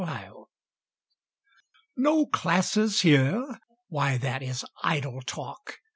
NO CLASSES! No classes here! Why, that is idle talk.